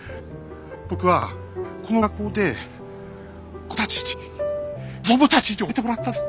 僕はこの学校で子供たちに子供たちに教えてもらったんです。